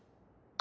あ。